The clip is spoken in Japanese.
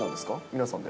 皆さんで。